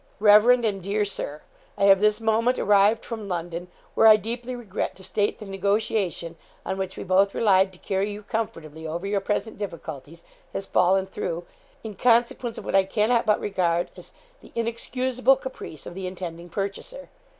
_) REV. AND DEAR SIR, I have this moment arrived from London, where I deeply regret to state the negotiation on which we both relied to carry you comfortably over your present difficulties has fallen through, in consequence of what I cannot but regard as the inexcusable caprice of the intending purchaser.